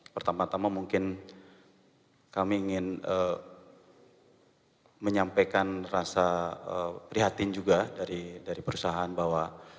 pertama tama mungkin kami ingin menyampaikan rasa prihatin juga dari perusahaan bahwa